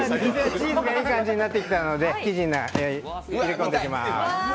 チーズがいい感じになってきたので生地に入れ込んでいきます。